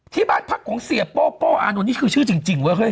ที่บ้านพักของเสียโป้โป้อานนท์นี่คือชื่อจริงเว้ย